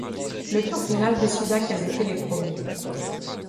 Le tour final décida quels étaient les promus.